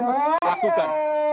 jadi saya akan melakukan